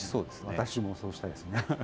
私もそうしたいですね。